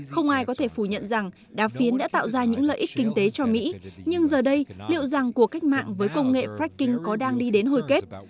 không ai có thể phủ nhận rằng đá phiến đã tạo ra những lợi ích kinh tế cho mỹ nhưng giờ đây liệu rằng cuộc cách mạng với công nghệ fracking có đang đi đến hồi kết